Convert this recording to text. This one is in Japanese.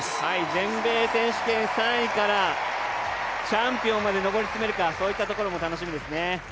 全米選手権３位からチャンピオンまで上り詰めるかそういったところも楽しみですね。